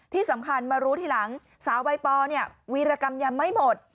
ที่สำคัญมารู้ทีหลังสาวใบปอเนี่ยวีรกรรมยังไม่หมด